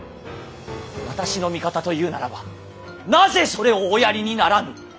私の味方というならばなぜそれをおやりにならぬ！